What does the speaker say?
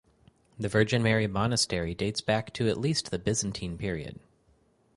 The Virgin Mary Monastery dates back to at least the Byzantine period.